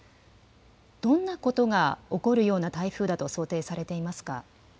どんなことが起こるような台風だと想定されていますか。